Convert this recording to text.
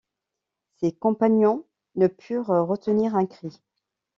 Ses compagnons ne purent retenir un cri.